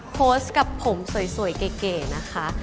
โพสต์กับผมสวยเก๋นะคะ